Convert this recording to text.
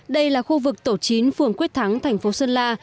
đây là khu vực tổ chín phường quyết thắng thành phố sơn la